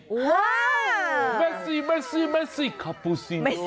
ฮ่าเมซี่คาปูซีนูคาปูซีนูไม่ใช่